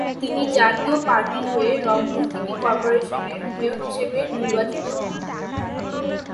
তিনি জাতীয় পার্টির হয়ে রংপুর সিটি কর্পোরেশনের মেয়র হিসেবে নির্বাচিত হন।